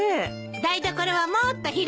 台所はもっと広くね。